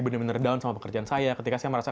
bener bener down sama pekerjaan saya ketika saya merasa